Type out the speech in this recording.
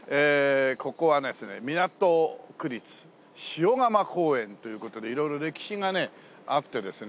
ここはですね港区立塩釜公園という事で色々歴史がねあってですね